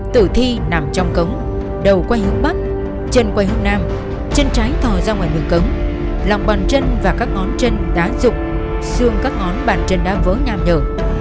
tử thi nằm trong cống đầu quay hướng bắc chân quay hướng nam chân trái thò ra ngoài nướng cống lòng bàn chân và các ngón chân đã rụng xương các ngón bàn chân đã vỡ nham nhở